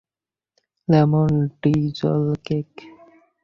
Lemon drizzle cake.